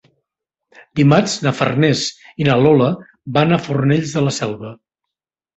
Dimarts na Farners i na Lola van a Fornells de la Selva.